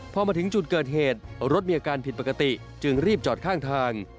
พอมาถึงจุดเกิดเหตุรถมีอาการผิดปกติจึงรีบจอดข้างทาง